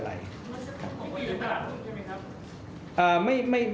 ไม่ได้อยู่ขนาดคือใช่ไหมครับ